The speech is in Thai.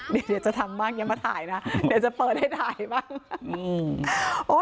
เดี๋ยวจะทำบ้างอย่ามาถ่ายนะเดี๋ยวจะเปิดให้ถ่ายบ้าง